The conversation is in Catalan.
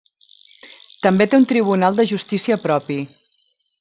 També té un tribunal de justícia propi.